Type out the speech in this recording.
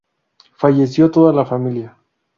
Falleció toda la familia.